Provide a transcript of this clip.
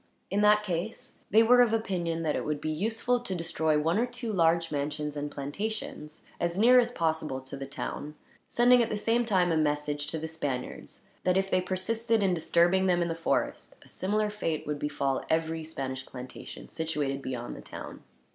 In that case, they were of opinion that it would be useful to destroy one or two large mansions and plantations, as near as possible to the town; sending at the same time a message to the Spaniards that, if they persisted in disturbing them in the forest, a similar fate would befall every Spanish plantation situated beyond the town.